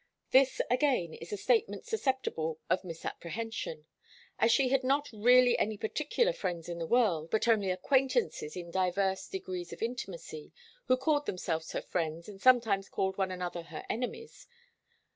This, again, is a statement susceptible of misapprehension, as she had not really any particular friends in the world, but only acquaintances in divers degrees of intimacy, who called themselves her friends and sometimes called one another her enemies.